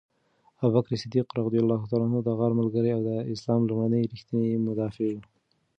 ابوبکر صدیق د غار ملګری او د اسلام لومړنی ریښتینی مدافع و.